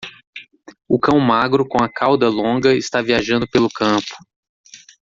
O cão magro com a cauda longa está viajando pelo campo.